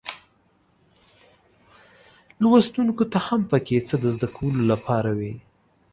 لوستونکو ته هم پکې څه د زده کولو لپاره وي.